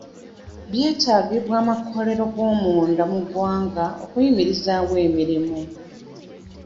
Byetaagibwa amakolero g'omunda mu ggwanga okuyimirizaawo emirimu.